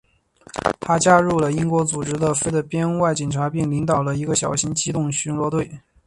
他加入了英国组织的非正规的编外警察并领导了一个小型机动巡逻队。